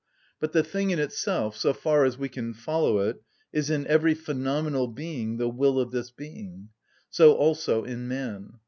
But the thing in itself, so far as we can follow it, is in every phenomenal being the will of this being: so also in man.